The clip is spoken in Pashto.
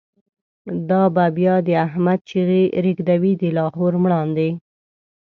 دا به بیا د« احمد» چیغی، ریږدوی د لاهور مړاندی